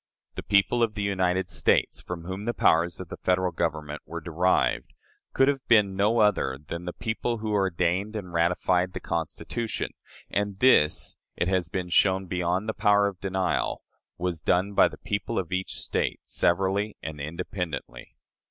The "people of the United States," from whom the powers of the Federal Government were "derived," could have been no other than the people who ordained and ratified the Constitution; and this, it has been shown beyond the power of denial, was done by the people of each State, severally and independently.